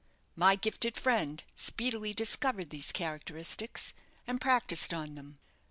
My gifted friend speedily discovered these characteristics, and practised on them.